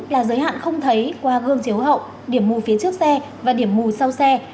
là giới hạn không thấy qua gương chiếu hậu điểm mù phía trước xe và điểm mù sau xe